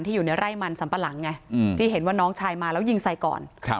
อยู่ในไร่มันสัมปะหลังไงที่เห็นว่าน้องชายมาแล้วยิงใส่ก่อน